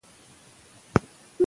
د معدې سرطان د ورزش له امله کمېږي.